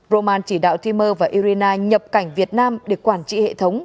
roman chỉ đạo timur và irina nhập cảnh việt nam để quản trị hệ thống